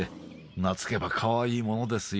懐けばかわいいものですよ。